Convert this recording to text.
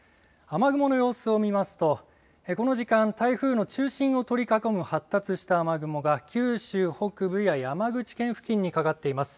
雨雲の様子を見ますと、この時間、台風の中心を取り囲む発達した雨雲が、九州北部や山口県付近にかかっています。